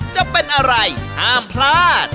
จะเป็นอะไรห้ามพลาด